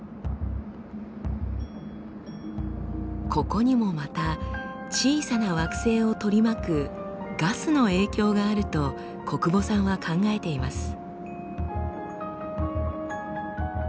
ここにもまた小さな惑星を取り巻くガスの影響があると小久保さんは考えています。